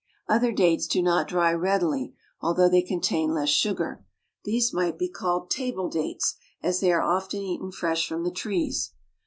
Other dates do not dry readily, although they contain less sugar ; these might be called table dates, as they*are often eaten fresh from the trees.